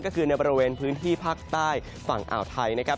ก็คือในบริเวณพื้นที่ภาคใต้ฝั่งอ่าวไทยนะครับ